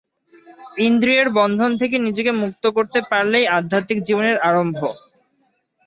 ইন্দ্রিয়ের বন্ধন থেকে নিজেকে মুক্ত করতে পারলেই আধ্যাত্মিক জীবনের আরম্ভ।